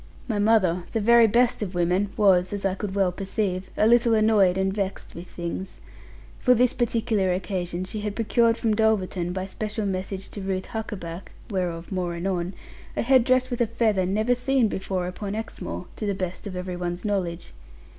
My mother, the very best of women, was (as I could well perceive) a little annoyed and vexed with things. For this particular occasion, she had procured from Dulverton, by special message to Ruth Huckaback (whereof more anon), a head dress with a feather never seen before upon Exmoor, to the best of every one's knowledge.